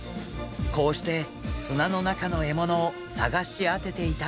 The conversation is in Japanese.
こうして砂の中の獲物を探し当てていたんです。